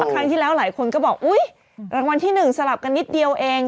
ครั้งที่แล้วหลายคนก็บอกอุ๊ยรางวัลที่๑สลับกันนิดเดียวเอง